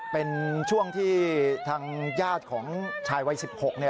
เป็นช่วงที่ทางญาติของชายวัย๑๖